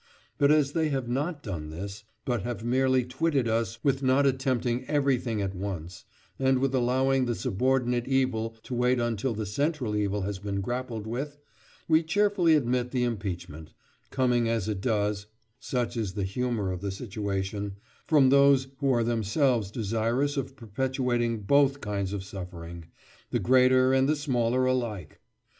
But as they have not done this, but have merely twitted us with not attempting everything at once, and with allowing the subordinate evil to wait until the central evil has been grappled with, we cheerfully admit the impeachment—coming as it does (such is the humour of the situation) from those who are themselves desirous of perpetuating both kinds of suffering, the greater and the smaller alike!